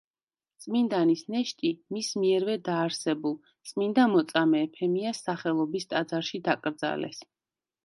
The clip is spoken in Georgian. წმინდანის ნეშტი მის მიერვე დაარსებულ, წმინდა მოწამე ეფემიას სახელობის ტაძარში დაკრძალეს.